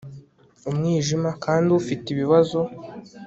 umwijima - kandi ufite ibibazo